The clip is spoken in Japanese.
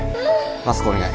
マスクお願い。